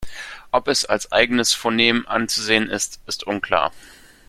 Ob es als eigenes Phonem anzusehen ist, ist unklar.